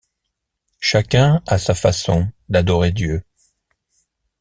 Chacun a sa façon d’adorer Dieu.